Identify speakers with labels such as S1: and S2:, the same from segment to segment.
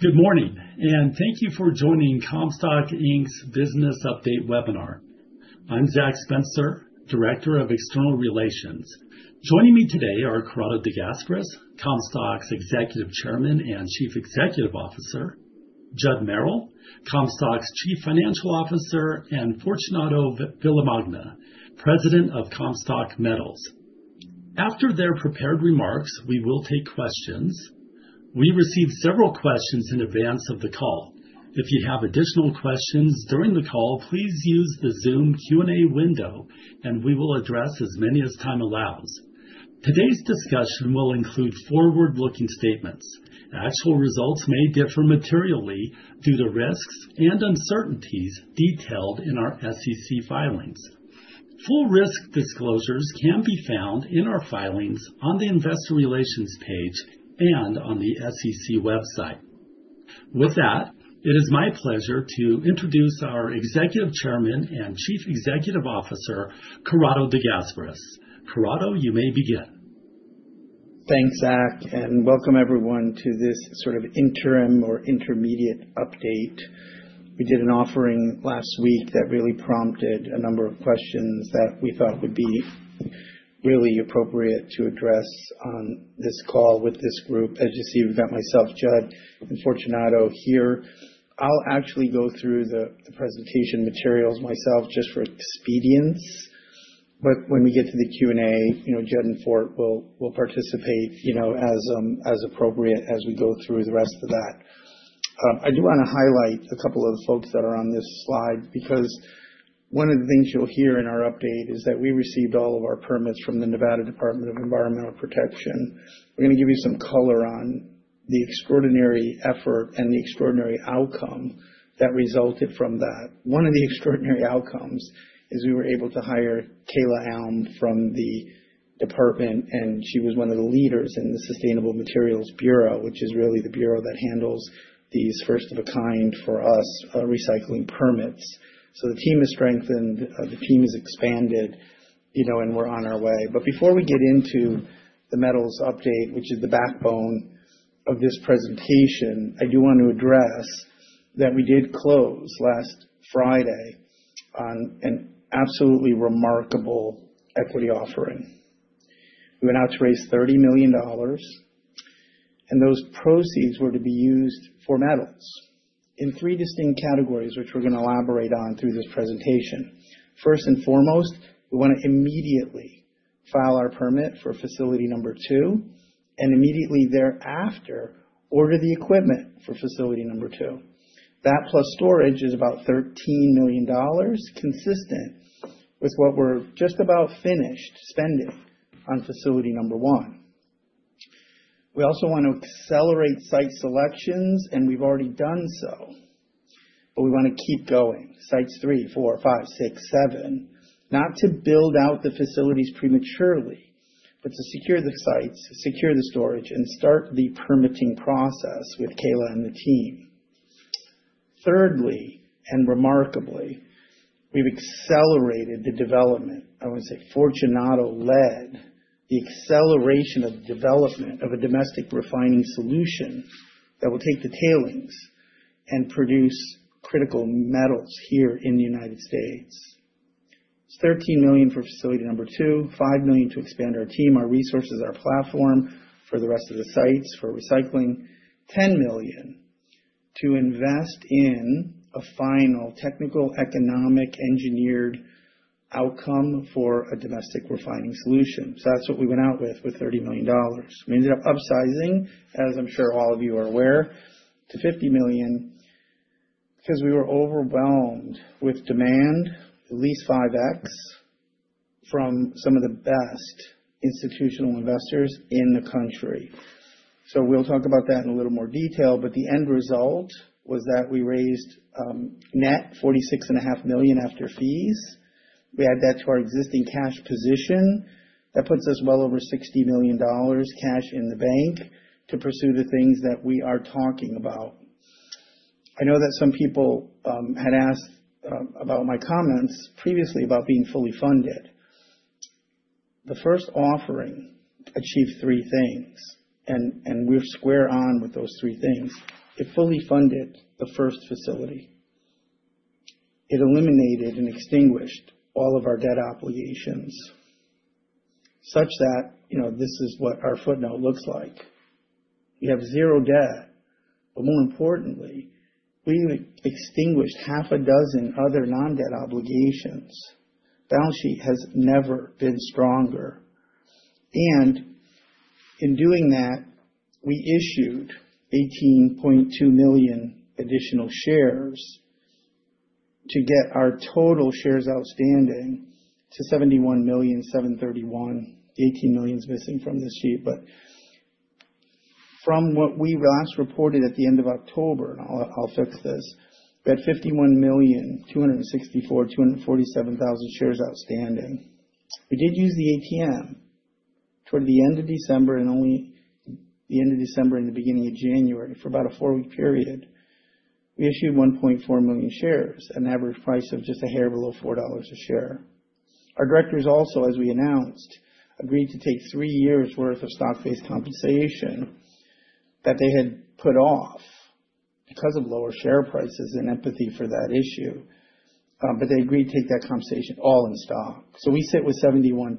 S1: Good morning, and thank you for joining Comstock Inc.'s Business Update Webinar. I'm Zach Spencer, Director of External Relations. Joining me today are Corrado De Gasperis, Comstock's Executive Chairman and Chief Executive Officer, Judd Merrill, Comstock's Chief Financial Officer, and Fortunato Villamagna, President of Comstock Metals. After their prepared remarks, we will take questions. We received several questions in advance of the call. If you have additional questions during the call, please use the Zoom Q&A window, and we will address as many as time allows. Today's discussion will include forward-looking statements. Actual results may differ materially due to risks and uncertainties detailed in our SEC filings. Full risk disclosures can be found in our filings on the Investor Relations page and on the SEC website. With that, it is my pleasure to introduce our Executive Chairman and Chief Executive Officer, Corrado De Gasperis. Corrado, you may begin.
S2: Thanks, Zach, and welcome everyone to this sort of interim or intermediate update. We did an offering last week that really prompted a number of questions that we thought would be really appropriate to address on this call with this group. As you see, we've got myself, Judd, and Fortunato here. I'll actually go through the presentation materials myself, just for expedience, but when we get to the Q&A, you know, Judd and Fort will participate, you know, as appropriate, as we go through the rest of that. I do want to highlight a couple of the folks that are on this slide, because one of the things you'll hear in our update is that we received all of our permits from the Nevada Department of Environmental Protection. We're gonna give you some color on the extraordinary effort and the extraordinary outcome that resulted from that. One of the extraordinary outcomes is we were able to hire Kayla Alm from the department, and she was one of the leaders in the Sustainable Materials Bureau, which is really the bureau that handles these first-of-a-kind, for us, recycling permits. So the team is strengthened, the team is expanded, you know, and we're on our way. But before we get into the metals update, which is the backbone of this presentation, I do want to address that we did close last Friday on an absolutely remarkable equity offering. We went out to raise $30 million, and those proceeds were to be used for metals in three distinct categories, which we're gonna elaborate on through this presentation. First and foremost, we want to immediately file our permit for facility #2 and immediately thereafter, order the equipment for facility #2. That, plus storage, is about $13 million, consistent with what we're just about finished spending on facility #1. We also want to accelerate site selections, and we've already done so, but we want to keep going. Sites 3, 4, 5, 6, 7, not to build out the facilities prematurely, but to secure the sites, secure the storage, and start the permitting process with Kayla and the team. Thirdly, and remarkably, we've accelerated the development. I would say Fortunato led the acceleration of development of a domestic refining solution that will take the tailings and produce critical metals here in the United States. It's $13 million for facility #2, $5 million to expand our team, our resources, our platform for the rest of the sites, for recycling. $10 million to invest in a final technical, economic, engineered outcome for a domestic refining solution. So that's what we went out with, with $30 million. We ended up upsizing, as I'm sure all of you are aware, to $50 million, because we were overwhelmed with demand, at least 5x, from some of the best institutional investors in the country. So we'll talk about that in a little more detail, but the end result was that we raised, net $46.5 million after fees. We add that to our existing cash position. That puts us well over $60 million cash in the bank to pursue the things that we are talking about. I know that some people had asked about my comments previously about being fully funded. The first offering achieved three things, and we're square on with those three things. It fully funded the first facility. It eliminated and extinguished all of our debt obligations, such that, you know, this is what our footnote looks like. We have zero debt, but more importantly, we extinguished half a dozen other non-debt obligations. Balance sheet has never been stronger, and in doing that, we issued 18.2 million additional shares to get our total shares outstanding to 71,731,000. 18 million is missing from this sheet, but from what we last reported at the end of October, and I'll fix this, we had 51,264,247 shares outstanding. We did use the ATM toward the end of December and only the end of December and the beginning of January, for about a four-week period. We issued 1.4 million shares, an average price of just a hair below $4 a share. Our directors also, as we announced, agreed to take three years' worth of stock-based compensation that they had put off because of lower share prices and empathy for that issue. But they agreed to take that compensation all in stock. So we sit with 71.3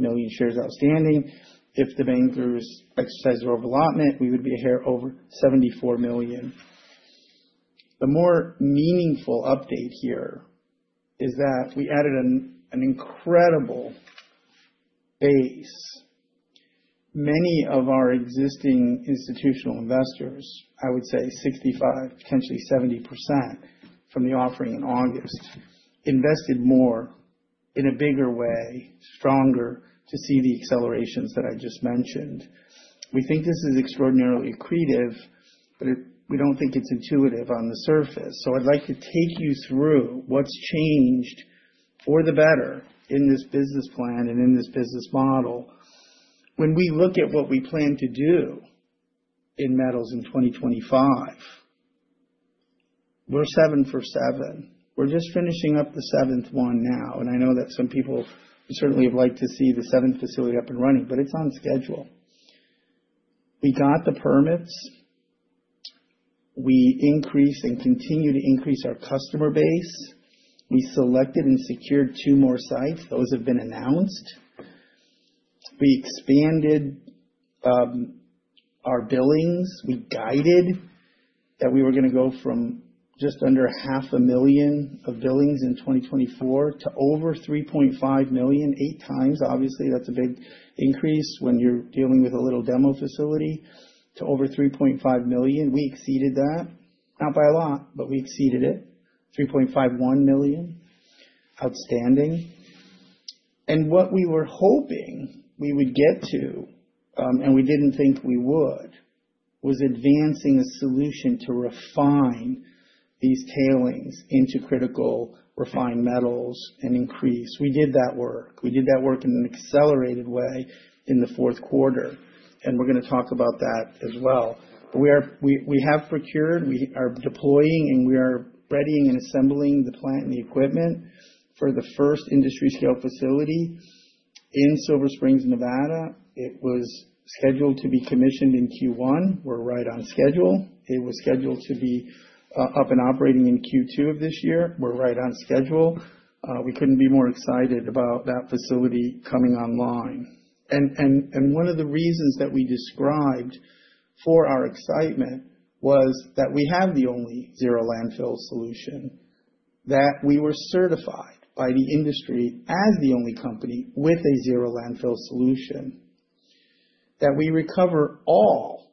S2: million shares outstanding. If the bankers exercise their allotment, we would be a hair over 74 million. The more meaningful update here is that we added an incredible base. Many of our existing institutional investors, I would say 65%-70% from the offering in August, invested more in a bigger way, stronger, to see the accelerations that I just mentioned. We think this is extraordinarily accretive, but we don't think it's intuitive on the surface. So I'd like to take you through what's changed for the better in this business plan and in this business model. When we look at what we plan to do in metals in 2025, we're 7 for 7. We're just finishing up the seventh one now, and I know that some people certainly would like to see the seventh facility up and running, but it's on schedule. We got the permits. We increased and continue to increase our customer base. We selected and secured 2 more sites. Those have been announced. We expanded our billings. We guided that we were going to go from just under $500,000 of billings in 2024 to over $3.5 million, 8x. Obviously, that's a big increase when you're dealing with a little demo facility to over $3.5 million. We exceeded that, not by a lot, but we exceeded it. $3.51 million. Outstanding. And what we were hoping we would get to, and we didn't think we would, was advancing a solution to refine these tailings into critical refined metals and increase. We did that work. We did that work in an accelerated way in the fourth quarter, and we're going to talk about that as well. But we are, we have procured, we are deploying, and we are readying and assembling the plant and the equipment for the first industry-scale facility in Silver Springs, Nevada. It was scheduled to be commissioned in Q1. We're right on schedule. It was scheduled to be up and operating in Q2 of this year. We're right on schedule. We couldn't be more excited about that facility coming online. And one of the reasons that we described for our excitement was that we have the only zero landfill solution, that we were certified by the industry as the only company with a zero landfill solution, that we recover all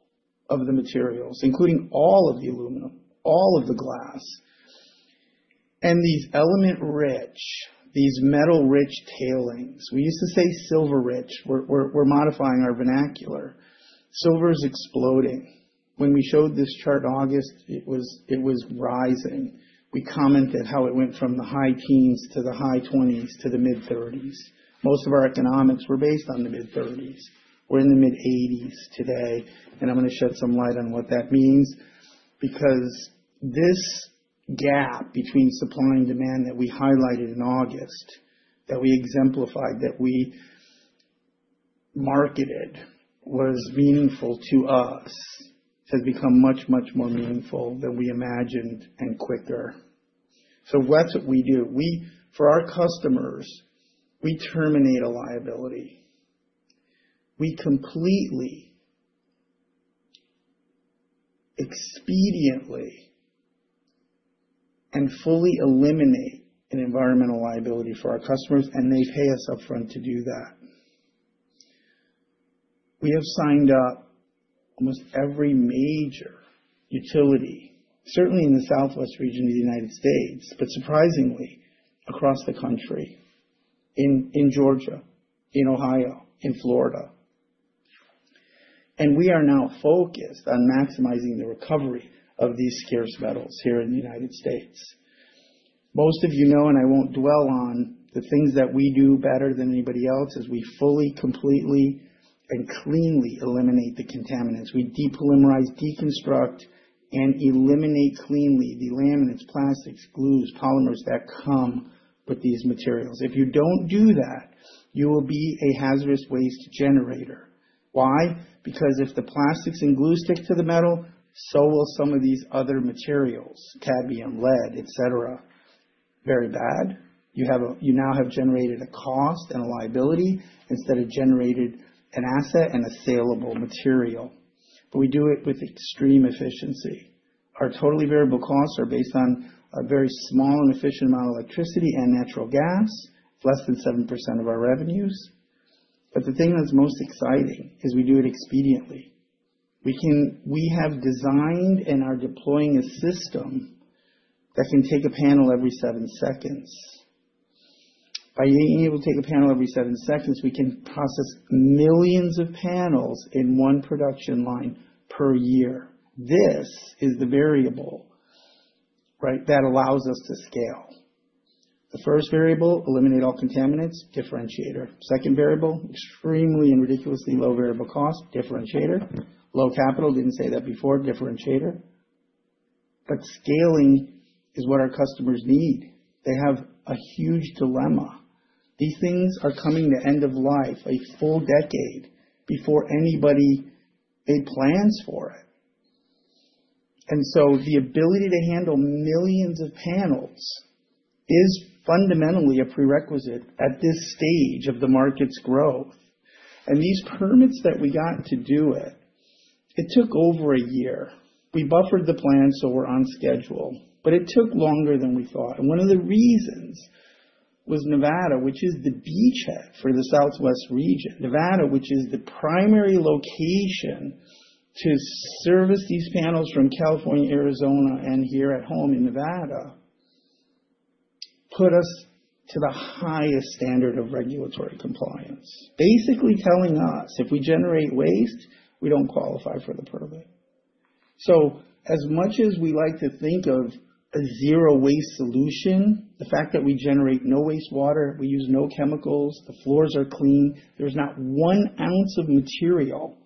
S2: of the materials, including all of the aluminum, all of the glass, and these element-rich, these metal-rich tailings. We used to say silver-rich. We're modifying our vernacular. Silver is exploding. When we showed this chart in August, it was rising. We commented how it went from the high teens to the high twenties to the mid-thirties. Most of our economics were based on the mid-30s. We're in the mid-80s today, and I'm going to shed some light on what that means, because this gap between supply and demand that we highlighted in August, that we exemplified, that we marketed, was meaningful to us, has become much, much more meaningful than we imagined and quicker. So what's it we do? For our customers, we terminate a liability. We completely, expediently, and fully eliminate an environmental liability for our customers, and they pay us upfront to do that. We have signed up almost every major utility, certainly in the Southwest region of the United States, but surprisingly, across the country, in Georgia, in Ohio, in Florida. We are now focused on maximizing the recovery of these scarce metals here in the United States. Most of you know, and I won't dwell on the things that we do better than anybody else, is we fully, completely, and cleanly eliminate the contaminants. We depolymerize, deconstruct, and eliminate cleanly the laminates, plastics, glues, polymers that come with these materials. If you don't do that, you will be a hazardous waste generator. Why? Because if the plastics and glue stick to the metal, so will some of these other materials, cadmium, lead, et cetera. Very bad. You now have generated a cost and a liability instead of generated an asset and a salable material. But we do it with extreme efficiency. Our totally variable costs are based on a very small and efficient amount of electricity and natural gas, less than 7% of our revenues. But the thing that's most exciting is we do it expediently. We can-- We have designed and are deploying a system that can take a panel every 7 seconds. By being able to take a panel every 7 seconds, we can process millions of panels in one production line per year. This is the variable, right, that allows us to scale. The first variable, eliminate all contaminants, differentiator. Second variable, extremely and ridiculously low variable cost, differentiator. Low capital, didn't say that before, differentiator.... But scaling is what our customers need. They have a huge dilemma. These things are coming to end of life a full decade before anybody made plans for it. And so the ability to handle millions of panels is fundamentally a prerequisite at this stage of the market's growth. And these permits that we got to do it, it took over a year. We buffered the plan, so we're on schedule, but it took longer than we thought, and one of the reasons was Nevada, which is the beachhead for the Southwest region. Nevada, which is the primary location to service these panels from California, Arizona, and here at home in Nevada, put us to the highest standard of regulatory compliance. Basically telling us if we generate waste, we don't qualify for the permit. So as much as we like to think of a zero-waste solution, the fact that we generate no wastewater, we use no chemicals, the floors are clean. There's not one ounce of material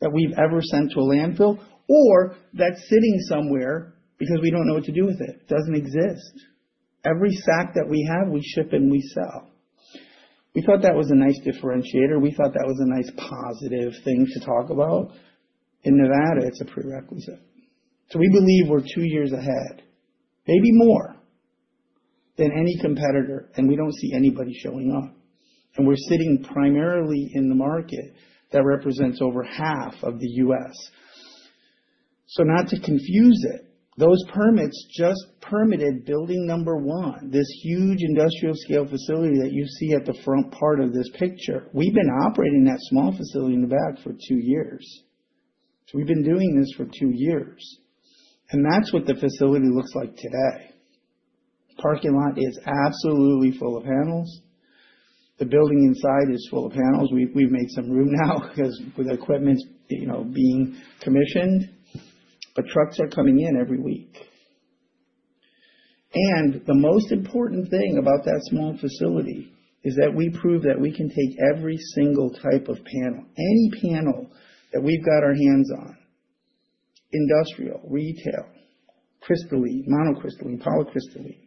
S2: that we've ever sent to a landfill or that's sitting somewhere because we don't know what to do with it, doesn't exist. Every sack that we have, we ship and we sell. We thought that was a nice differentiator. We thought that was a nice, positive thing to talk about. In Nevada, it's a prerequisite. So we believe we're two years ahead, maybe more than any competitor, and we don't see anybody showing up. And we're sitting primarily in the market that represents over half of the U.S. So not to confuse it, those permits just permitted building number one, this huge industrial-scale facility that you see at the front part of this picture. We've been operating that small facility in the back for two years. So we've been doing this for two years, and that's what the facility looks like today. Parking lot is absolutely full of panels. The building inside is full of panels. We've, we've made some room now because with the equipment, you know, being commissioned, but trucks are coming in every week. The most important thing about that small facility is that we prove that we can take every single type of panel, any panel that we've got our hands on, industrial, retail, crystalline, monocrystalline, polycrystalline,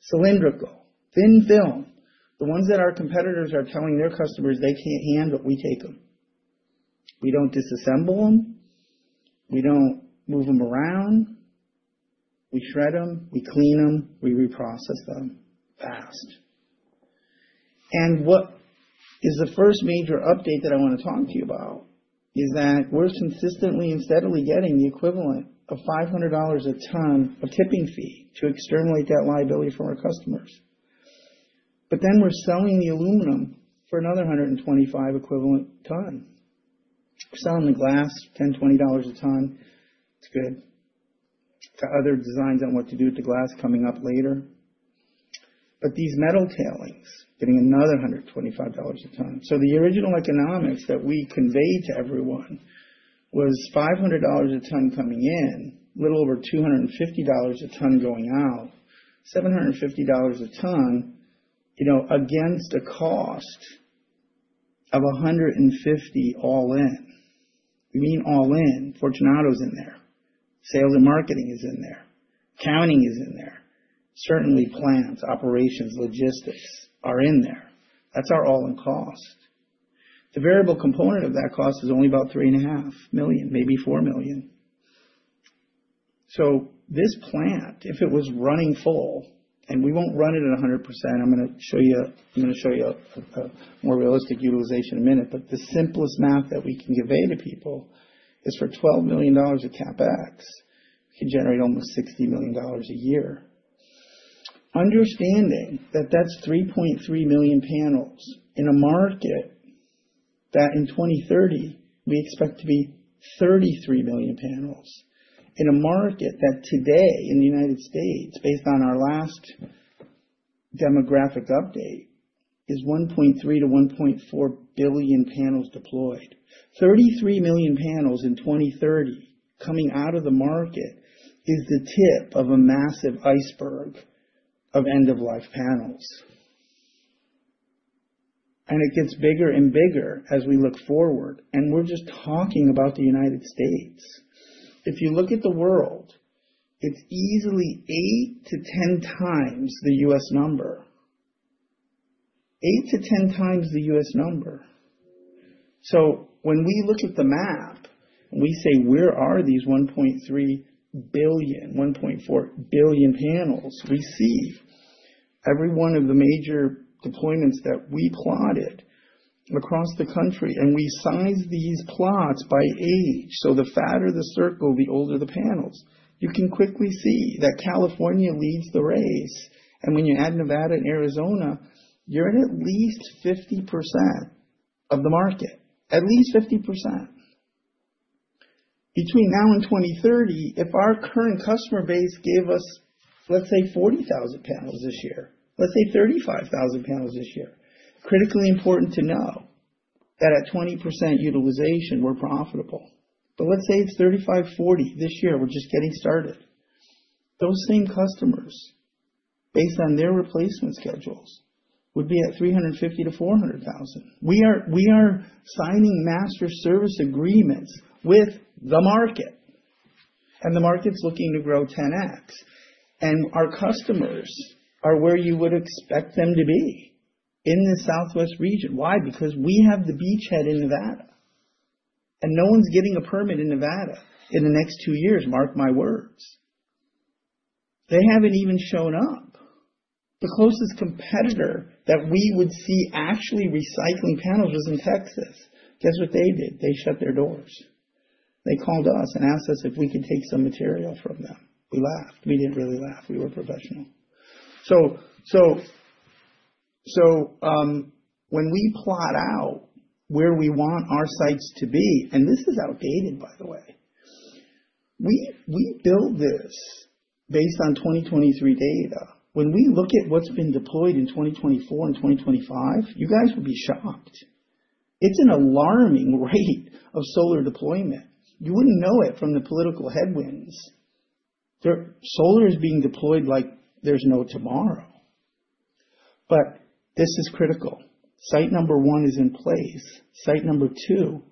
S2: cylindrical, thin film, the ones that our competitors are telling their customers they can't handle, we take them. We don't disassemble them, we don't move them around. We shred them, we clean them, we reprocess them fast. What is the first major update that I want to talk to you about is that we're consistently and steadily getting the equivalent of $500 a ton of tipping fee to exterminate that liability from our customers. But then we're selling the aluminum for another $125 equivalent a ton. We're selling the glass $10-$20 a ton. It's good. Got other designs on what to do with the glass coming up later. But these metal tailings, getting another $125 a ton. So the original economics that we conveyed to everyone was $500 a ton coming in, a little over $250 a ton going out, $750 a ton, you know, against a cost of $150 all in. We mean all in. Fortunato's in there, sales and marketing is in there, accounting is in there, certainly plants, operations, logistics are in there. That's our all-in cost. The variable component of that cost is only about $3.5 million, maybe $4 million. So this plant, if it was running full and we won't run it at 100%, I'm gonna show you a more realistic utilization in a minute, but the simplest math that we can convey to people is $12 million of CapEx can generate almost $60 million a year. Understanding that that's 3.3 million panels in a market, that in 2030, we expect to be 33 million panels. In a market that today in the United States, based on our last demographic update, is 1.3-1.4 billion panels deployed. 33 million panels in 2030 coming out of the market is the tip of a massive iceberg of end-of-life panels. And it gets bigger and bigger as we look forward, and we're just talking about the United States. If you look at the world, it's easily 8x-10x the US number. 8x-10x the US number. So when we look at the map and we say: Where are these 1.3 billion, 1.4 billion panels? We see every one of the major deployments that we plotted across the country, and we size these plots by age, so the fatter the circle, the older the panels. You can quickly see that California leads the race, and when you add Nevada and Arizona, you're at least 50% of the market. At least 50%. Between now and 2030, if our current customer base gave us, let's say, 40,000 panels this year, let's say 35,000 panels this year, critically important to know that at 20% utilization, we're profitable. But let's say it's 35, 40 this year, we're just getting started. Those same customers, based on their replacement schedules, would be at 350,000-400,000. We are, we are signing master service agreements with the market, and the market's looking to grow 10x. And our customers are where you would expect them to be, in the Southwest region. Why? Because we have the beachhead in Nevada, and no one's getting a permit in Nevada in the next 2 years, mark my words. They haven't even shown up. The closest competitor that we would see actually recycling panels was in Texas. Guess what they did? They shut their doors. They called us and asked us if we could take some material from them. We laughed. We didn't really laugh, we were professional. So, when we plot out where we want our sites to be, and this is outdated, by the way, we built this based on 2023 data. When we look at what's been deployed in 2024 and 2025, you guys would be shocked. It's an alarming rate of solar deployment. You wouldn't know it from the political headwinds. Solar is being deployed like there's no tomorrow. But this is critical. Site number one is in place. Site number two,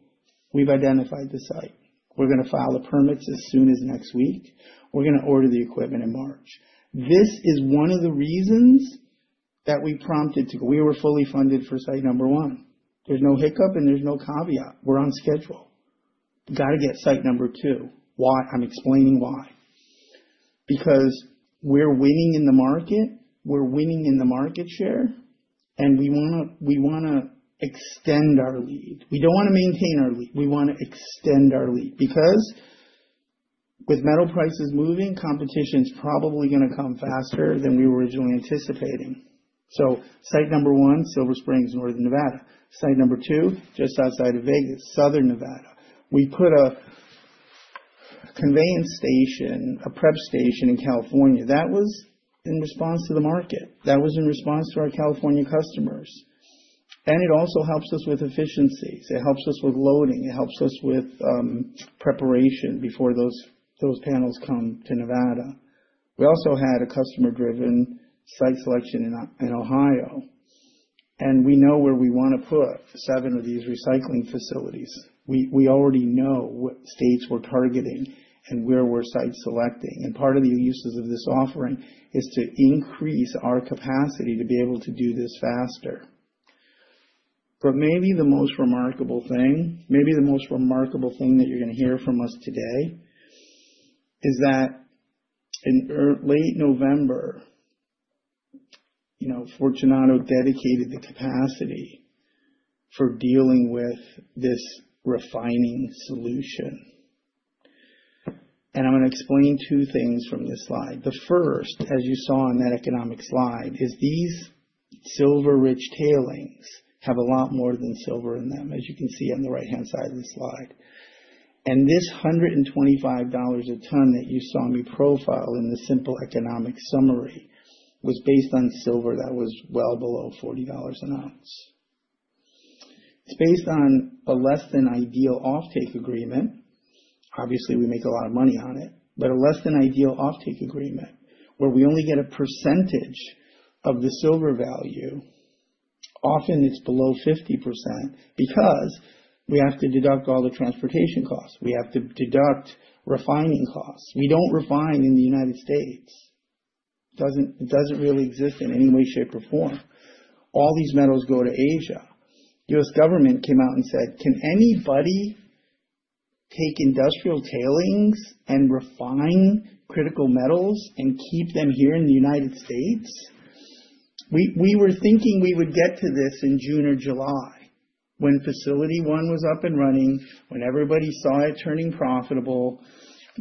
S2: we've identified the site. We're gonna file the permits as soon as next week. We're gonna order the equipment in March. This is one of the reasons that we prompted to... We were fully funded for site number one. There's no hiccup, and there's no caveat. We're on schedule. We've got to get site number two. Why? I'm explaining why. Because we're winning in the market, we're winning in the market share, and we wanna, we wanna extend our lead. We don't want to maintain our lead, we want to extend our lead, because with metal prices moving, competition is probably gonna come faster than we were originally anticipating. So site number one, Silver Springs, Northern Nevada. Site number two, just outside of Vegas, Southern Nevada. We put a conveyance station, a prep station in California. That was in response to the market. That was in response to our California customers. And it also helps us with efficiencies, it helps us with loading, it helps us with preparation before those, those panels come to Nevada. We also had a customer-driven site selection in Ohio, and we know where we want to put seven of these recycling facilities. We already know what states we're targeting and where we're site selecting. And part of the uses of this offering is to increase our capacity to be able to do this faster. But maybe the most remarkable thing, maybe the most remarkable thing that you're gonna hear from us today is that in late November, you know, Fortunato dedicated the capacity for dealing with this refining solution. And I'm gonna explain two things from this slide. The first, as you saw in that economic slide, is these silver-rich tailings have a lot more than silver in them, as you can see on the right-hand side of the slide. And this $125 a ton that you saw me profile in the simple economic summary was based on silver that was well below $40 an ounce. It's based on a less than ideal offtake agreement. Obviously, we make a lot of money on it, but a less than ideal offtake agreement, where we only get a percentage of the silver value. Often it's below 50% because we have to deduct all the transportation costs. We have to deduct refining costs. We don't refine in the United States. It doesn't, it doesn't really exist in any way, shape, or form. All these metals go to Asia. U.S. government came out and said, "Can anybody take industrial tailings and refine critical metals and keep them here in the United States?" We, we were thinking we would get to this in June or July, when facility one was up and running, when everybody saw it turning profitable,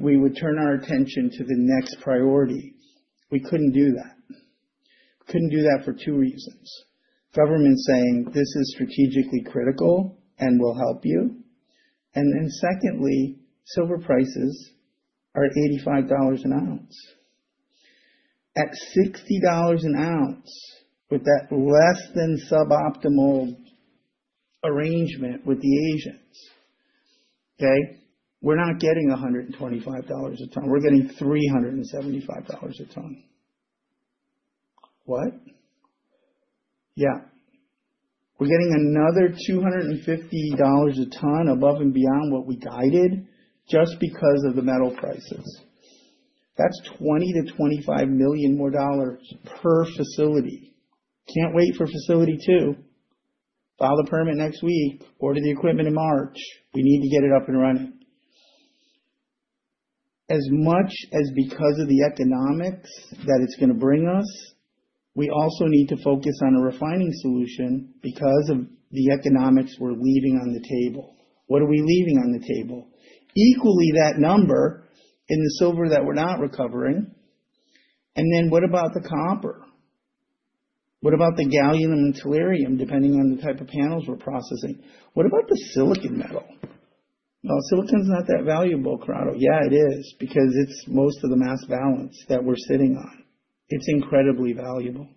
S2: we would turn our attention to the next priority. We couldn't do that. Couldn't do that for two reasons: government saying, "This is strategically critical, and we'll help you." And then secondly, silver prices are $85 an ounce. At $60 an ounce, with that less than suboptimal arrangement with the Asians, okay, we're not getting $125 a ton, we're getting $375 a ton. What? Yeah. We're getting another $250 a ton above and beyond what we guided just because of the metal prices. That's $20 million-$25 million more dollars per facility. Can't wait for facility 2. File the permit next week, order the equipment in March. We need to get it up and running. As much as because of the economics that it's gonna bring us, we also need to focus on a refining solution because of the economics we're leaving on the table. What are we leaving on the table? Equally, that number in the silver that we're not recovering. And then what about the copper? What about the gallium and the tellurium, depending on the type of panels we're processing? What about the silicon metal? Well, silicon's not that valuable, Corrado. Yeah, it is, because it's most of the mass balance that we're sitting on. It's incredibly valuable.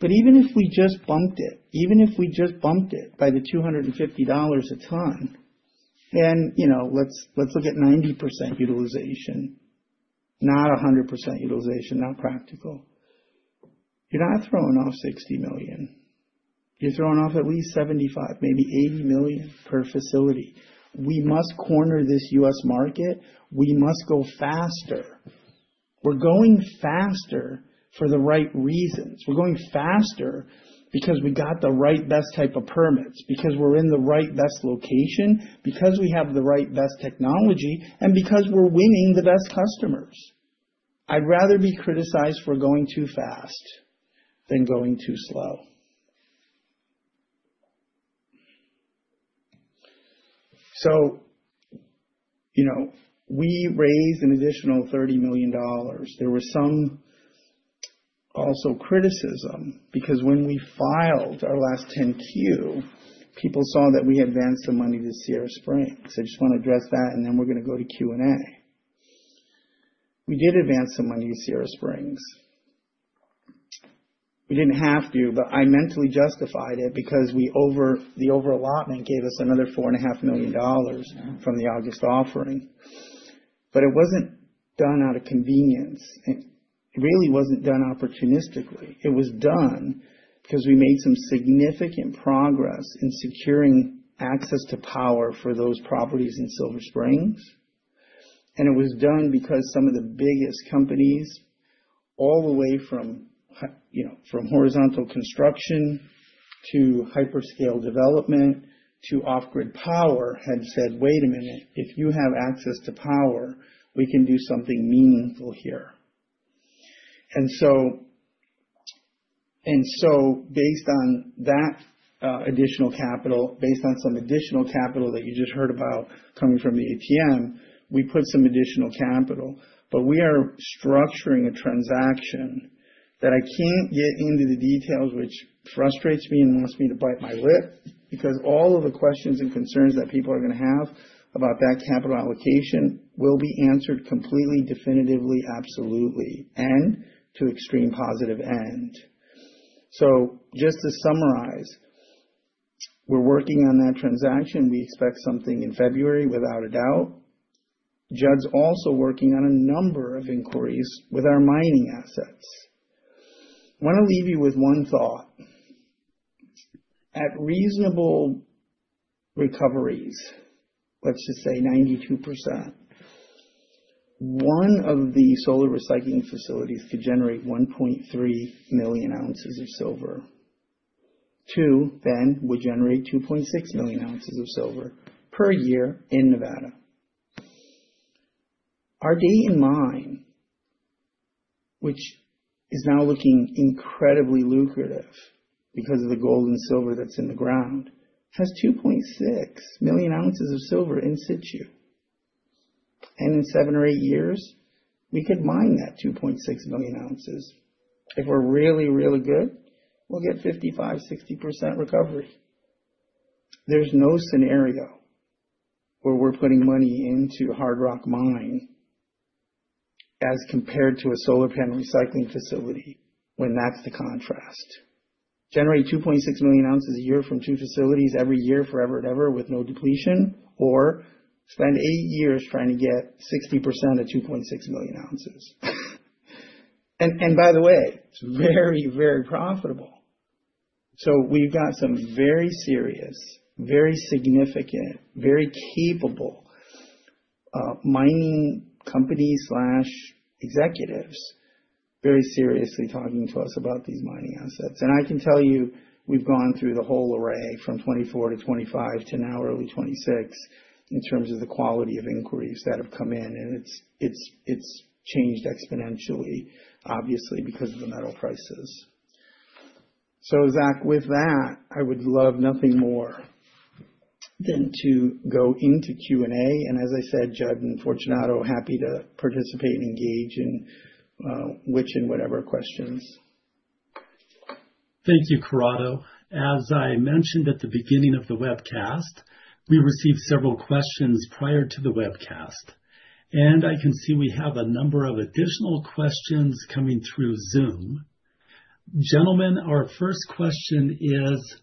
S2: But even if we just bumped it, even if we just bumped it by the $250 a ton, then, you know, let's, let's look at 90% utilization, not a 100% utilization, not practical. You're not throwing off $60 million. You're throwing off at least $75 million, maybe $80 million per facility. We must corner this U.S. market. We must go faster. We're going faster for the right reasons. We're going faster because we got the right, best type of permits, because we're in the right, best location, because we have the right, best technology, and because we're winning the best customers. I'd rather be criticized for going too fast than going too slow. So, you know, we raised an additional $30 million. There were some also criticism because when we filed our last 10-Q, people saw that we advanced some money to Sierra Springs. So I just wanna address that, and then we're gonna go to Q&A. We did advance some money to Sierra Springs. We didn't have to, but I mentally justified it because the overallotment gave us another $4.5 million from the August offering. But it wasn't done out of convenience. It, it really wasn't done opportunistically. It was done because we made some significant progress in securing access to power for those properties in Silver Springs. It was done because some of the biggest companies, all the way from you know, from horizontal construction to hyperscale development to off-grid power, had said, "Wait a minute, if you have access to power, we can do something meaningful here." And so, and so based on that, additional capital, based on some additional capital that you just heard about coming from the ATM, we put some additional capital. But we are structuring a transaction that I can't get into the details, which frustrates me and wants me to bite my lip, because all of the questions and concerns that people are gonna have about that capital allocation will be answered completely, definitively, absolutely, and to extreme positive end. Just to summarize, we're working on that transaction. We expect something in February, without a doubt. Judd's also working on a number of inquiries with our mining assets. I wanna leave you with one thought: at reasonable recoveries, let's just say 92%, one of the solar recycling facilities could generate 1.3 million ounces of silver. Two, then, would generate 2.6 million ounces of silver per year in Nevada. Our Dayton mine, which is now looking incredibly lucrative because of the gold and silver that's in the ground, has 2.6 million ounces of silver in situ. In seven or eight years, we could mine that 2.6 million ounces. If we're really, really good, we'll get 55%-60% recovery. There's no scenario where we're putting money into hard rock mining as compared to a solar panel recycling facility, when that's the contrast. Generate 2.6 million ounces a year from two facilities every year, forever and ever, with no depletion, or spend 8 years trying to get 60% of 2.6 million ounces. And by the way, it's very, very profitable. So we've got some very serious, very significant, very capable mining companies/executives very seriously talking to us about these mining assets. And I can tell you, we've gone through the whole array from 2024 to 2025 to now early 2026, in terms of the quality of inquiries that have come in, and it's changed exponentially, obviously, because of the metal prices. So Zach, with that, I would love nothing more than to go into Q&A. As I said, Judd and Fortunato, happy to participate and engage in which and whatever questions.
S1: Thank you, Corrado. As I mentioned at the beginning of the webcast, we received several questions prior to the webcast, and I can see we have a number of additional questions coming through Zoom. Gentlemen, our first question is: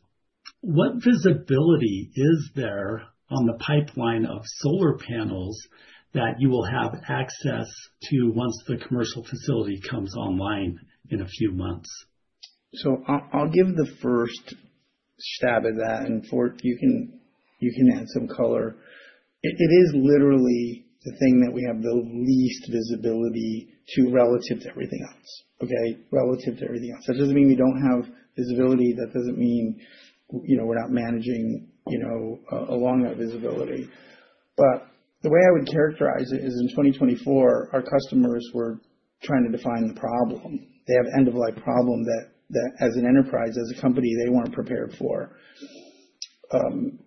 S1: what visibility is there on the pipeline of solar panels that you will have access to once the commercial facility comes online in a few months?
S2: So I'll give the first stab at that, and Fort, you can add some color. It is literally the thing that we have the least visibility to relative to everything else. Okay? Relative to everything else. That doesn't mean we don't have visibility, that doesn't mean, you know, we're not managing, you know, along that visibility. But the way I would characterize it is, in 2024, our customers were trying to define the problem. They have end-of-life problem that as an enterprise, as a company, they weren't prepared for.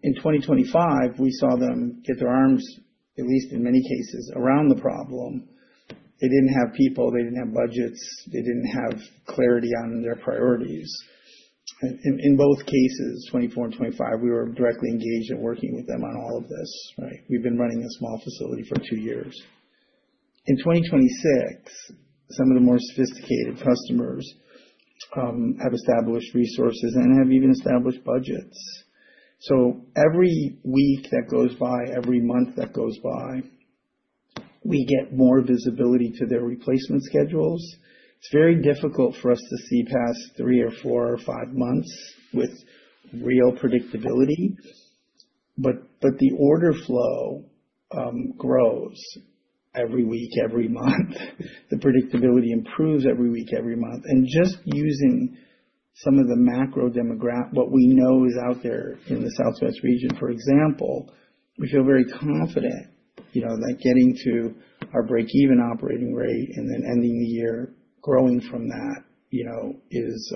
S2: In 2025, we saw them get their arms, at least in many cases, around the problem. They didn't have people, they didn't have budgets, they didn't have clarity on their priorities. In both cases, 2024 and 2025, we were directly engaged in working with them on all of this, right? We've been running a small facility for two years. In 2026, some of the more sophisticated customers have established resources and have even established budgets. So every week that goes by, every month that goes by, we get more visibility to their replacement schedules. It's very difficult for us to see past three or four or five months with real predictability, but the order flow grows every week, every month. The predictability improves every week, every month. And just using what we know is out there in the Southwest region, for example, we feel very confident, you know, that getting to our breakeven operating rate and then ending the year growing from that, you know, is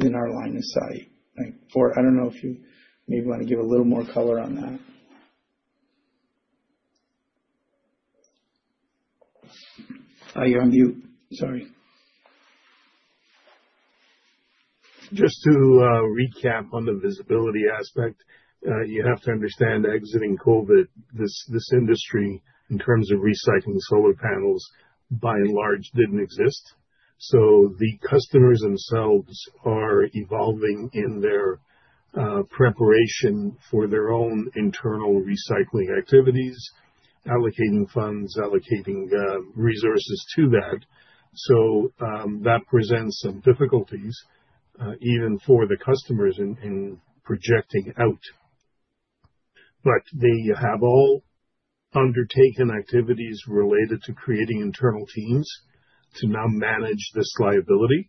S2: in our line of sight, right? Fort, I don't know if you maybe want to give a little more color on that. Oh, you're on mute. Sorry.
S3: Just to recap on the visibility aspect, you have to understand, exiting COVID, this industry, in terms of recycling solar panels, by and large, didn't exist. The customers themselves are evolving in their preparation for their own internal recycling activities, allocating funds, allocating resources to that. That presents some difficulties even for the customers in projecting out. But they have all undertaken activities related to creating internal teams to now manage this liability.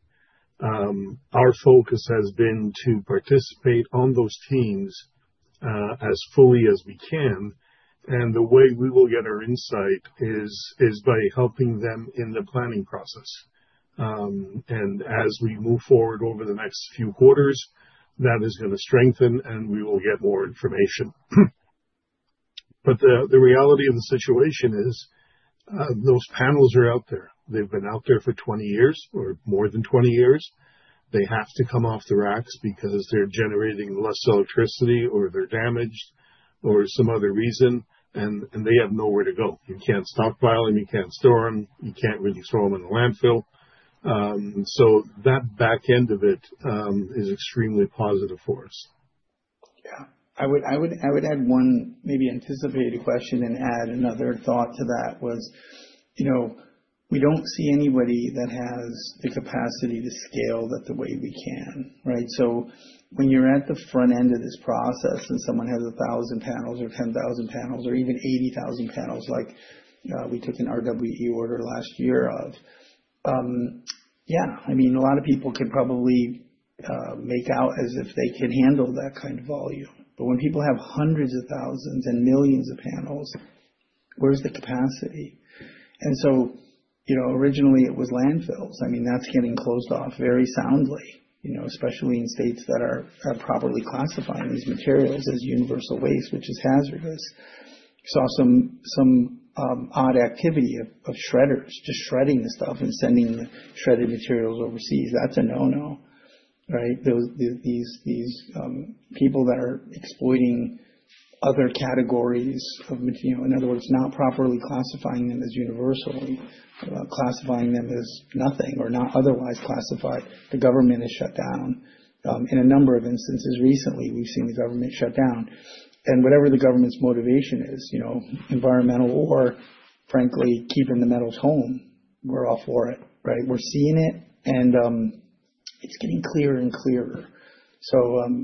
S3: Our focus has been to participate on those teams as fully as we can, and the way we will get our insight is by helping them in the planning process. And as we move forward over the next few quarters, that is gonna strengthen, and we will get more information. But the reality of the situation is, those panels are out there. They've been out there for 20 years or more than 20 years. They have to come off the racks because they're generating less electricity, or they're damaged or some other reason, and they have nowhere to go. You can't stockpile them, you can't store them, you can't really throw them in the landfill. So that back end of it is extremely positive for us.
S2: Yeah. I would add one maybe anticipated question and add another thought to that was, you know, we don't see anybody that has the capacity to scale that the way we can, right? So when you're at the front end of this process and someone has 1,000 panels or 10,000 panels or even 80,000 panels, like, we took an RWE order last year of, yeah, I mean, a lot of people can probably make out as if they can handle that kind of volume, but when people have hundreds of thousands and millions of panels, where's the capacity? And so, you know, originally it was landfills. I mean, that's getting closed off very soundly, you know, especially in states that are properly classifying these materials as universal waste, which is hazardous. We saw some odd activity of shredders just shredding the stuff and sending the shredded materials overseas. That's a no-no, right? Those people that are exploiting other categories of material, in other words, not properly classifying them as universal, classifying them as nothing or not otherwise classified, the government is shut down. In a number of instances recently, we've seen the government shut down. Whatever the government's motivation is, you know, environmental or frankly, keeping the metals home, we're all for it, right? We're seeing it, and it's getting clearer and clearer.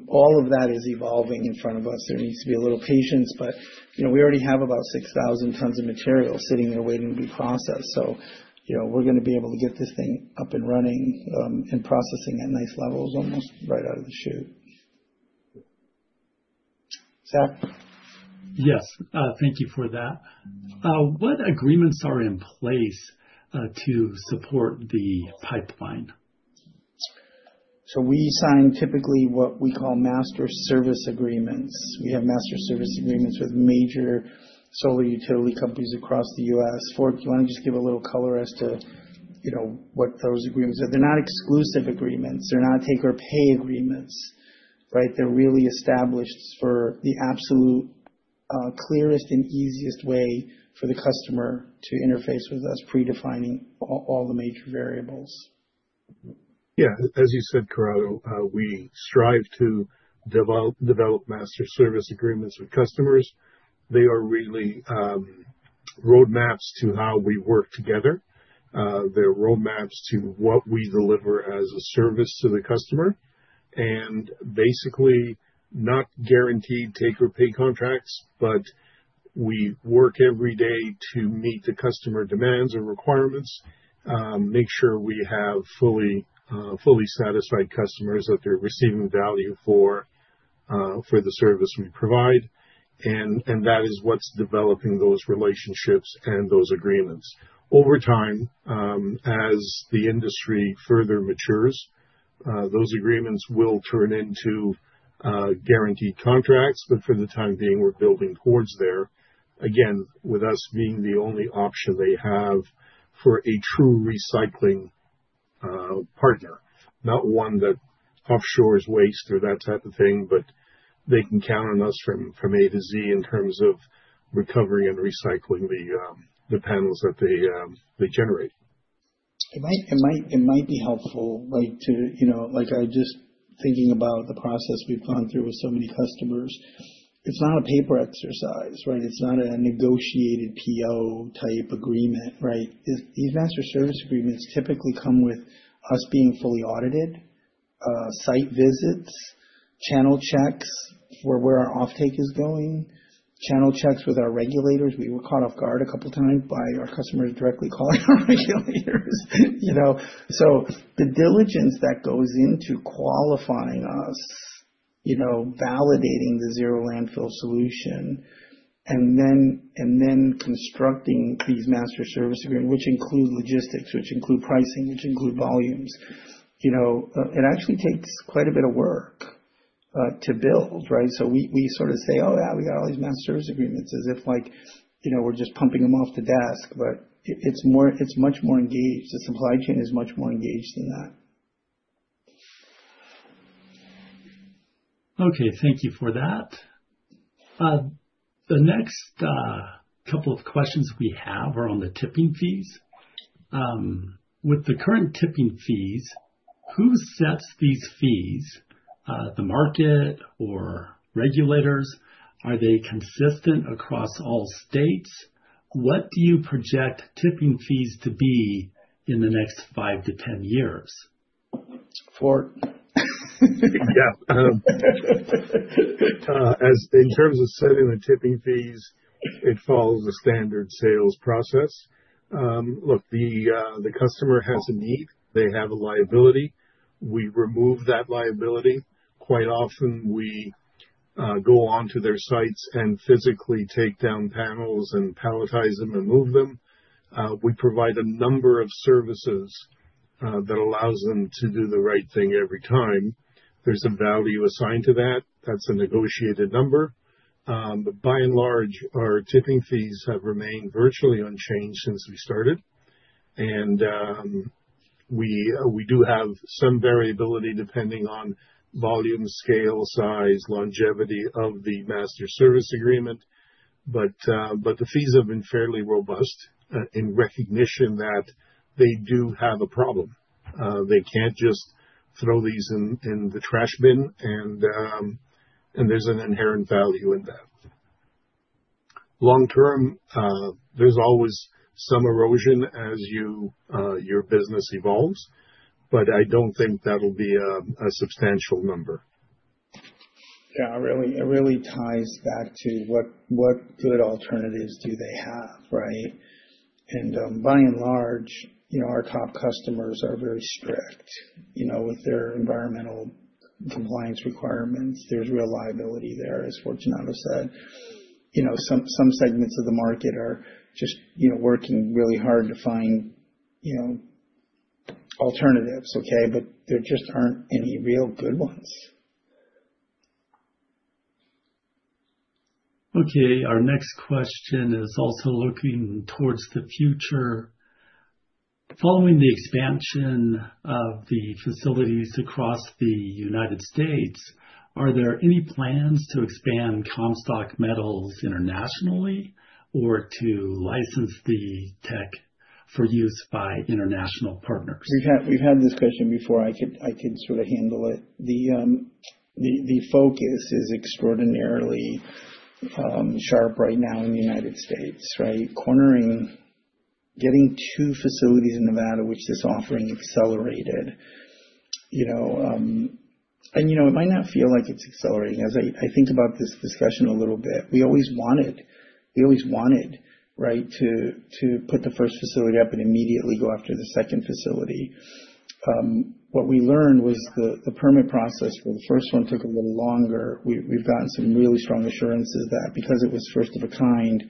S2: All of that is evolving in front of us. There needs to be a little patience, but you know, we already have about 6,000 tons of material sitting there waiting to be processed. So, you know, we're gonna be able to get this thing up and running, and processing at nice levels almost right out of the chute. Zach?
S1: Yes, thank you for that. What agreements are in place to support the pipeline?
S2: So we sign typically what we call master service agreements. We have master service agreements with major solar utility companies across the U.S. Ford, do you want to just give a little color as to, you know, what those agreements are? They're not exclusive agreements. They're not take or pay agreements, right? They're really established for the absolute clearest and easiest way for the customer to interface with us, predefining all the major variables.
S3: Yeah, as you said, Corrado, we strive to develop master service agreements with customers. They are really roadmaps to how we work together. They're roadmaps to what we deliver as a service to the customer, and basically not guaranteed take or pay contracts, but we work every day to meet the customer demands and requirements, make sure we have fully satisfied customers, that they're receiving value for the service we provide, and that is what's developing those relationships and those agreements. Over time, as the industry further matures, those agreements will turn into guaranteed contracts, but for the time being, we're building towards there. Again, with us being the only option they have for a true recycling-... Partner, not one that offshores waste or that type of thing, but they can count on us from A to Z in terms of recovering and recycling the panels that they generate.
S2: It might, it might, it might be helpful, like, to, you know, like I just thinking about the process we've gone through with so many customers. It's not a paper exercise, right? It's not a negotiated PO type agreement, right? These, these master service agreements typically come with us being fully audited, site visits, channel checks for where our offtake is going, channel checks with our regulators. We were caught off guard a couple times by our customers directly calling our regulators, you know. So the diligence that goes into qualifying us, you know, validating the zero landfill solution, and then, and then constructing these master service agreement, which includes logistics, which include pricing, which include volumes, you know, it actually takes quite a bit of work, to build, right? So we sort of say, "Oh, yeah, we got all these master service agreements," as if, like, you know, we're just pumping them off the desk, but it's more—it's much more engaged. The supply chain is much more engaged than that.
S1: Okay, thank you for that. The next couple of questions we have are on the tipping fees. With the current tipping fees, who sets these fees? The market or regulators? Are they consistent across all states? What do you project tipping fees to be in the next five to ten years?
S2: Fort.
S3: Yeah, as in terms of setting the tipping fees, it follows a standard sales process. Look, the customer has a need, they have a liability, we remove that liability. Quite often, we go on to their sites and physically take down panels and palletize them and move them. We provide a number of services that allows them to do the right thing every time. There's a value assigned to that. That's a negotiated number. But by and large, our tipping fees have remained virtually unchanged since we started. We do have some variability depending on volume, scale, size, longevity of the master service agreement, but the fees have been fairly robust in recognition that they do have a problem. They can't just throw these in the trash bin, and there's an inherent value in that. Long term, there's always some erosion as your business evolves, but I don't think that'll be a substantial number.
S2: Yeah, it really ties back to what good alternatives do they have, right? And, by and large, you know, our top customers are very strict, you know, with their environmental compliance requirements. There's real liability there, as Fortunato said. You know, some segments of the market are just, you know, working really hard to find, you know, alternatives, okay? But there just aren't any real good ones.
S1: Okay, our next question is also looking towards the future. Following the expansion of the facilities across the United States, are there any plans to expand Comstock Metals internationally, or to license the tech for use by international partners?
S2: We've had this question before. I could sort of handle it. The focus is extraordinarily sharp right now in the United States, right? Cornering, getting two facilities in Nevada, which this offering accelerated, you know. You know, it might not feel like it's accelerating. As I think about this discussion a little bit, we always wanted, right, to put the first facility up and immediately go after the second facility. What we learned was the permit process for the first one took a little longer. We've gotten some really strong assurances that because it was first of a kind,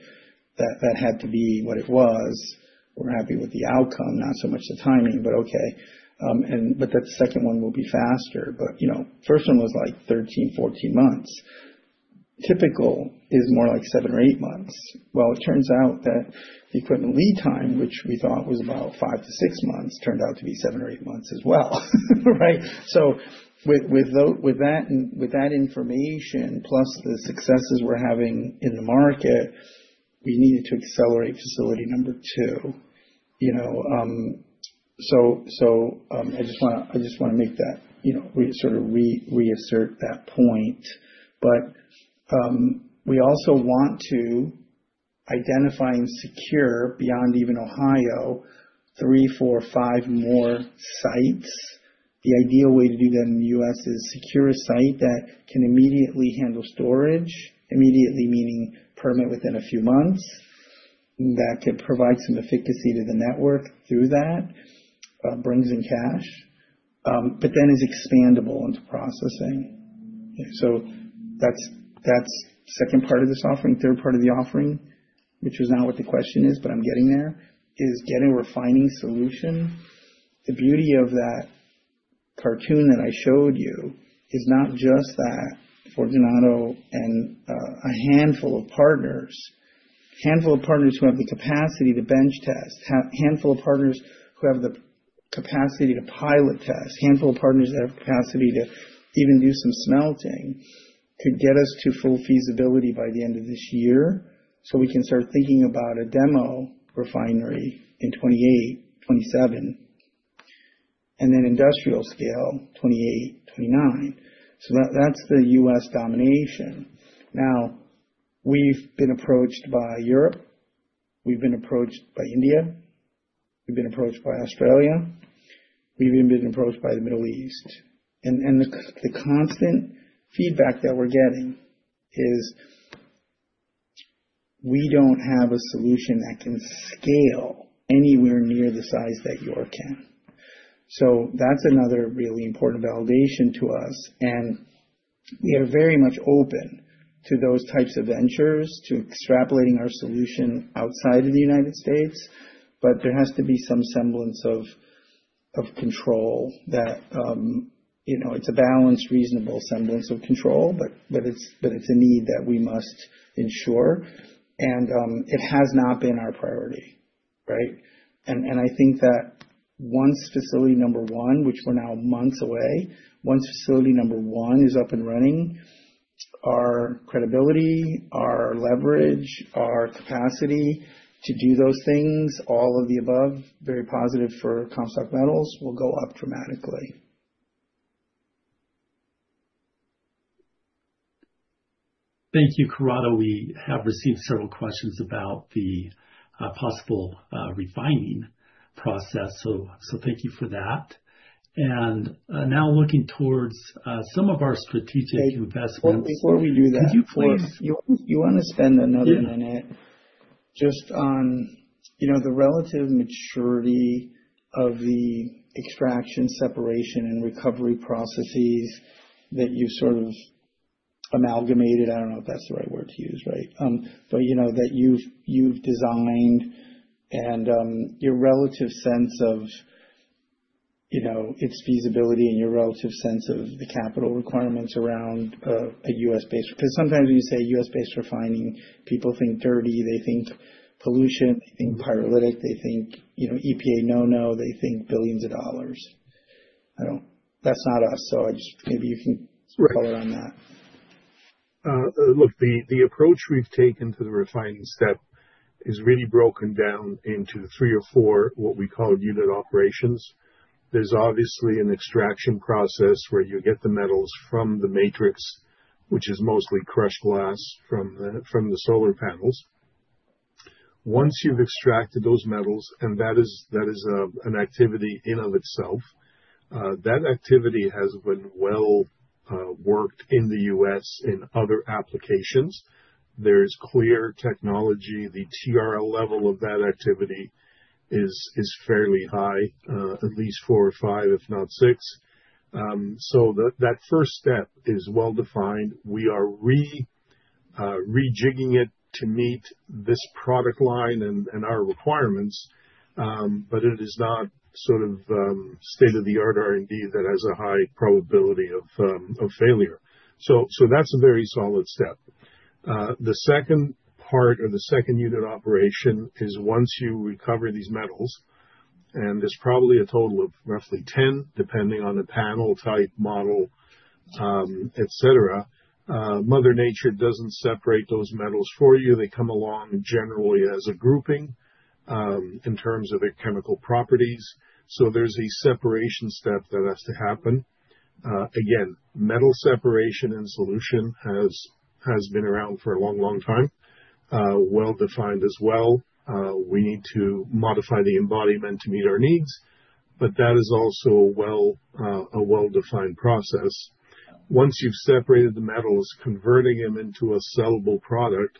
S2: that that had to be what it was. We're happy with the outcome, not so much the timing, but okay. But the second one will be faster. But, you know, first one was like 13 months-14 months. Typical is more like 7 months or 8 months. Well, it turns out that the equipment lead time, which we thought was about 5 months-6 months, turned out to be 7 months or 8 months as well, right? So with that information, plus the successes we're having in the market, we needed to accelerate facility #2, you know. So I just wanna make that, you know, reassert that point. But we also want to identify and secure, beyond even Ohio, 3, 4, 5 more sites. The ideal way to do that in the US is secure a site that can immediately handle storage, immediately meaning permit within a few months, that can provide some efficacy to the network through that, brings in cash, but then is expandable into processing. So that's, that's second part of this offering. Third part of the offering, which is not what the question is, but I'm getting there, is get a refining solution. The beauty of that-... cartoon that I showed you is not just that Fortunato and a handful of partners, handful of partners who have the capacity to bench test, have handful of partners who have the capacity to pilot test, handful of partners that have capacity to even do some smelting, to get us to full feasibility by the end of this year, so we can start thinking about a demo refinery in 2028, 2027, and then industrial scale, 2028, 2029. So that, that's the US domination. Now, we've been approached by Europe, we've been approached by India, we've been approached by Australia, we've even been approached by the Middle East. And the constant feedback that we're getting is, we don't have a solution that can scale anywhere near the size that yours can. So that's another really important validation to us, and we are very much open to those types of ventures, to extrapolating our solution outside of the United States. But there has to be some semblance of control that, you know, it's a balanced, reasonable semblance of control, but it's a need that we must ensure, and it has not been our priority, right? I think that once facility #1, which we're now months away, once facility #1 is up and running, our credibility, our leverage, our capacity to do those things, all of the above, very positive for Comstock Metals, will go up dramatically.
S1: Thank you, Corrado. We have received several questions about the possible refining process, so thank you for that. And now looking towards some of our strategic investments-
S2: Before we do that-
S1: Could you please-
S2: You wanna spend another minute-
S1: Yeah...
S2: just on, you know, the relative maturity of the extraction, separation, and recovery processes that you sort of amalgamated, I don't know if that's the right word to use, right? But you know, that you've designed and, your relative sense of, you know, its feasibility and your relative sense of the capital requirements around, a U.S.-based... 'Cause sometimes when you say U.S.-based refining, people think dirty, they think pollution, they think pyrolytic, they think, you know, EPA no-no, they think billions of dollars. I don't... That's not us, so I just, maybe you can-
S1: Right.
S2: Follow on that.
S3: Look, the approach we've taken to the refining step is really broken down into 3 or 4, what we call unit operations. There's obviously an extraction process where you get the metals from the matrix, which is mostly crushed glass from the solar panels. Once you've extracted those metals, and that is an activity in and of itself, that activity has been well worked in the U.S. in other applications. There's clear technology. The TRL level of that activity is fairly high, at least 4 or 5, if not 6. So that first step is well defined. We are rejigging it to meet this product line and our requirements, but it is not sort of state-of-the-art R&D that has a high probability of failure. So that's a very solid step. The second part or the second unit operation is once you recover these metals, and there's probably a total of roughly 10, depending on the panel type, model, et cetera, mother nature doesn't separate those metals for you. They come along generally as a grouping, in terms of their chemical properties, so there's a separation step that has to happen. Again, metal separation and solution has been around for a long, long time, well defined as well. We need to modify the embodiment to meet our needs, but that is also a well, a well-defined process. Once you've separated the metals, converting them into a sellable product,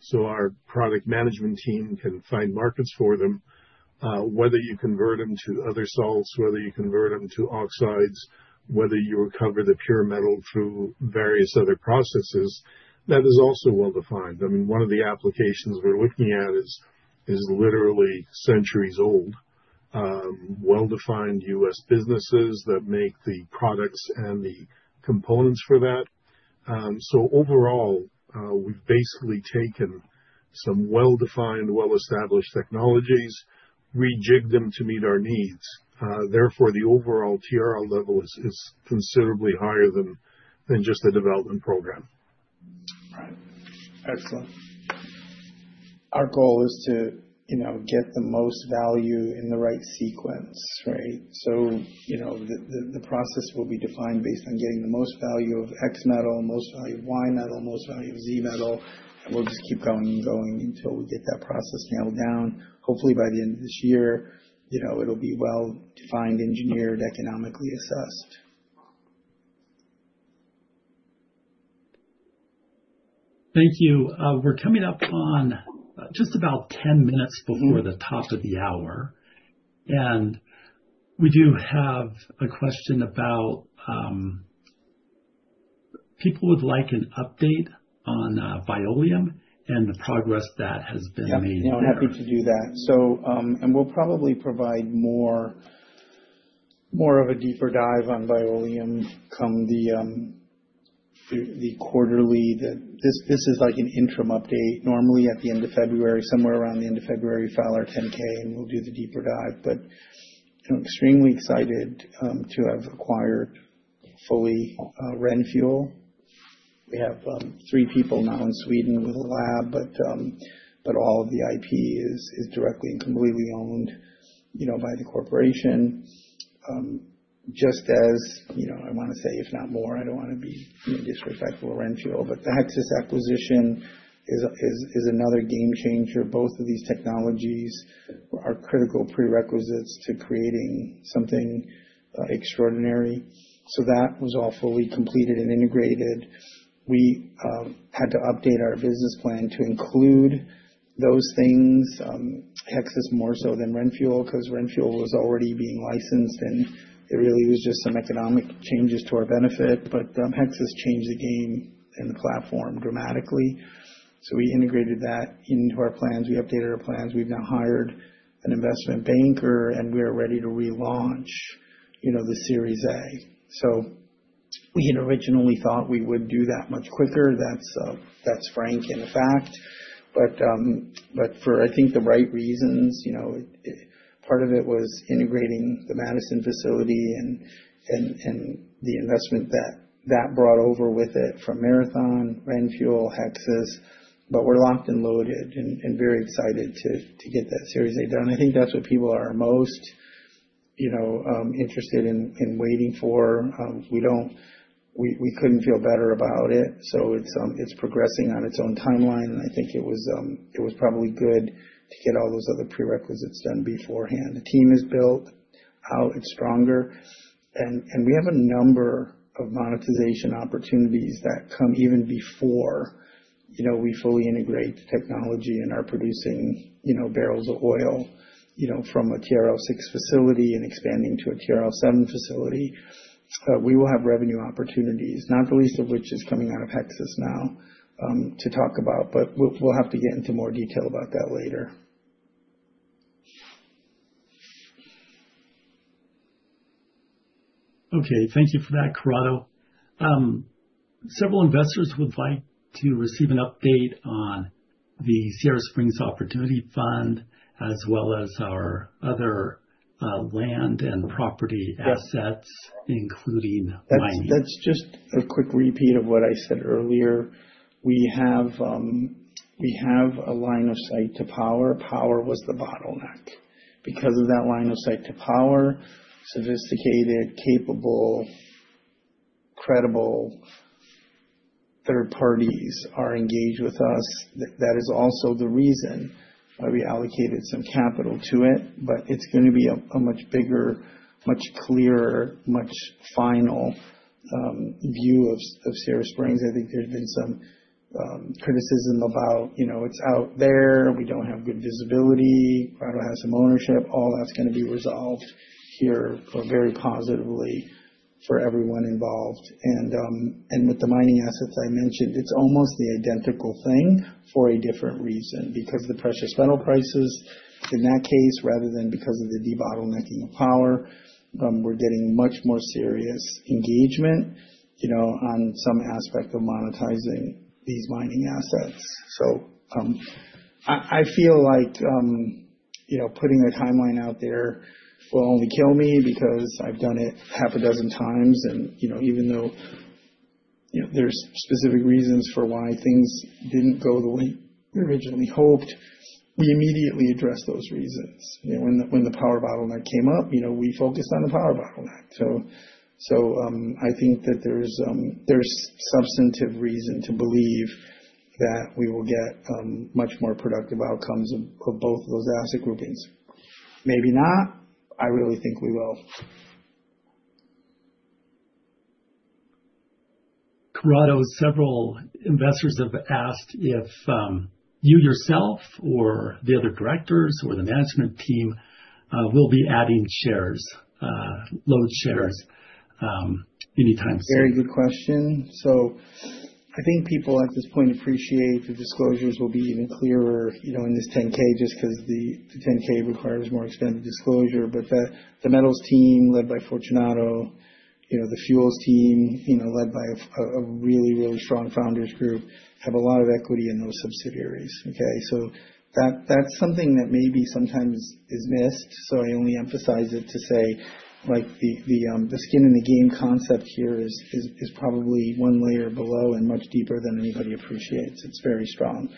S3: so our product management team can find markets for them, whether you convert them to other salts, whether you convert them to oxides, whether you recover the pure metal through various other processes, that is also well defined. I mean, one of the applications we're looking at is literally centuries old, well-defined U.S. businesses that make the products and the components for that. So overall, we've basically taken some well-defined, well-established technologies, rejigged them to meet our needs. Therefore, the overall TRL level is considerably higher than just a development program.
S2: Right. Excellent. Our goal is to, you know, get the most value in the right sequence, right? So, you know, the process will be defined based on getting the most value of X metal, most value of Y metal, most value of Z metal, and we'll just keep going and going until we get that process nailed down. Hopefully, by the end of this year, you know, it'll be well defined, engineered, economically assessed.
S1: Thank you. We're coming up on just about 10 minutes before the top of the hour, and we do have a question about people would like an update on Bioleum and the progress that has been made.
S2: Yeah, you know, I'm happy to do that. So, and we'll probably provide more of a deeper dive on Bioleum come the quarterly that... This is like an interim update. Normally, at the end of February, somewhere around the end of February, we file our 10-K, and we'll do the deeper dive. But I'm extremely excited to have acquired fully RenFuel. We have three people now in Sweden with a lab, but all of the IP is directly and completely owned, you know, by the corporation. Just as, you know, I wanna say, if not more, I don't wanna be disrespectful to RenFuel, but the Hexas acquisition is another game changer. Both of these technologies are critical prerequisites to creating something extraordinary. So that was all fully completed and integrated. We had to update our business plan to include those things, Hexas more so than RenFuel, 'cause RenFuel was already being licensed, and it really was just some economic changes to our benefit. But, Hexas changed the game and the platform dramatically. So we integrated that into our plans. We updated our plans. We've now hired an investment banker, and we are ready to relaunch, you know, the Series A. So we had originally thought we would do that much quicker. That's, that's frank and a fact, but, but for, I think, the right reasons, you know, it, part of it was integrating the Madison facility and, and the investment that brought over with it from Marathon, RenFuel, Hexas. But we're locked and loaded and very excited to get that Series A done. I think that's what people are most, you know, interested in, in waiting for. We couldn't feel better about it, so it's progressing on its own timeline, and I think it was probably good to get all those other prerequisites done beforehand. The team is built out. It's stronger. And we have a number of monetization opportunities that come even before, you know, we fully integrate the technology and are producing, you know, barrels of oil, you know, from a TRL 6 facility and expanding to a TRL 7 facility. We will have revenue opportunities, not the least of which is coming out of Hexas now to talk about, but we'll have to get into more detail about that later.
S1: Okay, thank you for that, Corrado. Several investors would like to receive an update on the Sierra Springs Opportunity Fund, as well as our other land and property assets-
S2: Yep.
S1: - including mining.
S2: That's just a quick repeat of what I said earlier. We have a line of sight to power. Power was the bottleneck. Because of that line of sight to power, sophisticated, capable, credible third parties are engaged with us. That is also the reason why we allocated some capital to it, but it's gonna be a much bigger, much clearer, much final view of Sierra Springs. I think there's been some criticism about, you know, it's out there, we don't have good visibility, Corrado has some ownership. All that's gonna be resolved here very positively for everyone involved. And with the mining assets I mentioned, it's almost the identical thing for a different reason. Because the precious metal prices in that case, rather than because of the debottlenecking of power, we're getting much more serious engagement, you know, on some aspect of monetizing these mining assets. So, I feel like, you know, putting a timeline out there will only kill me because I've done it 6x, and, you know, even though, you know, there's specific reasons for why things didn't go the way we originally hoped, we immediately addressed those reasons. You know, when the power bottleneck came up, you know, we focused on the power bottleneck. So, I think that there's substantive reason to believe that we will get much more productive outcomes of both those asset groupings. Maybe not. I really think we will.
S1: Corrado, several investors have asked if you yourself or the other directors or the management team will be adding shares, LODE shares, anytime soon?
S2: Very good question. So I think people at this point appreciate the disclosures will be even clearer, you know, in this 10-K, just 'cause the 10-K requires more extensive disclosure. But the metals team, led by Fortunato, you know, the fuels team, you know, led by a really, really strong founders group, have a lot of equity in those subsidiaries, okay? So that, that's something that maybe sometimes is missed, so I only emphasize it to say, like, the skin in the game concept here is, is, is probably one layer below and much deeper than anybody appreciates. It's very strong.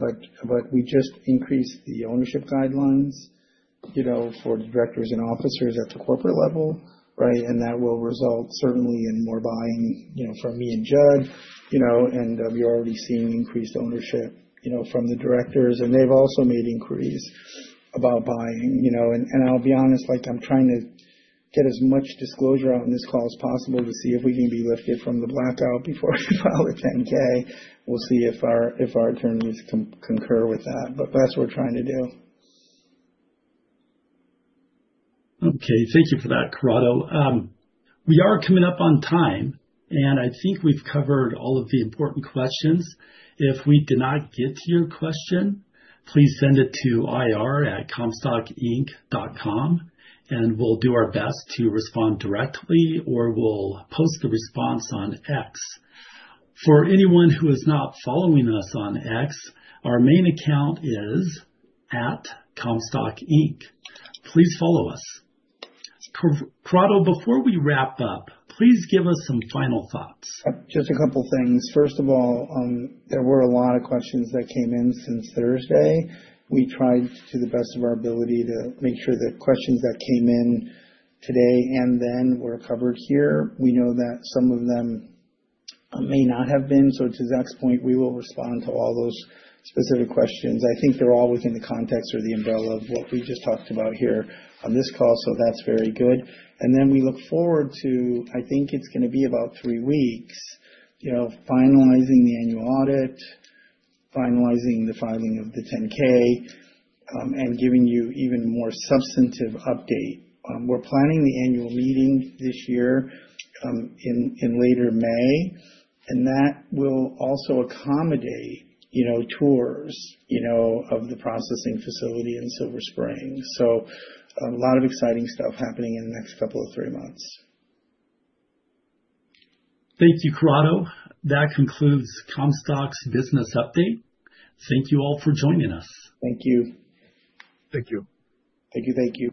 S2: But we just increased the ownership guidelines, you know, for directors and officers at the corporate level, right? That will result certainly in more buying, you know, from me and Judd, you know, and you're already seeing increased ownership, you know, from the directors, and they've also made inquiries about buying, you know. And I'll be honest, like, I'm trying to get as much disclosure out on this call as possible to see if we can be lifted from the blackout before we file a 10-K. We'll see if our attorneys concur with that, but that's what we're trying to do.
S1: Okay, thank you for that, Corrado. We are coming up on time, and I think we've covered all of the important questions. If we did not get to your question, please send it to ir@comstockinc.com, and we'll do our best to respond directly, or we'll post the response on X. For anyone who is not following us on X, our main account is at Comstock Inc. Please follow us. Corrado, before we wrap up, please give us some final thoughts.
S2: Just a couple things. First of all, there were a lot of questions that came in since Thursday. We tried to the best of our ability to make sure that questions that came in today and then were covered here. We know that some of them may not have been, so to Zach's point, we will respond to all those specific questions. I think they're all within the context or the umbrella of what we just talked about here on this call, so that's very good. And then we look forward to, I think it's gonna be about three weeks, you know, finalizing the annual audit, finalizing the filing of the 10-K, and giving you even more substantive update. We're planning the annual meeting this year in later May, and that will also accommodate, you know, tours, you know, of the processing facility in Silver Springs. So a lot of exciting stuff happening in the next couple of three months.
S1: Thank you, Corrado. That concludes Comstock's business update. Thank you all for joining us.
S2: Thank you.
S3: Thank you.
S2: Thank you, thank you.